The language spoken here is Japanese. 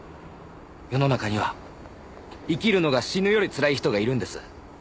世の中には生きるのが死ぬよりつらい人がいるんです。